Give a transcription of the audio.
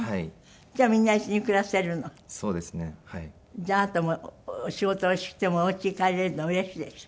じゃああなたも仕事をしてもお家に帰れるのうれしいでしょ？